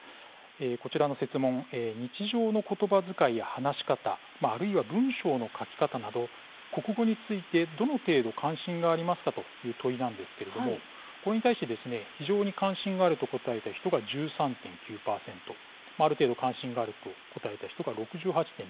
こちらの設問日常の言葉づかいや話し方あるいは文章の書き方など国語についてどの程度関心がありますかという問いなんですけれどもこれに対して非常に関心があると答えた人が１３．９％ある程度関心があると答えた人が６８．０％。